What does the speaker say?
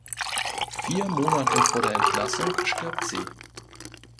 Vier Monate vor der Entlassung stirbt sie.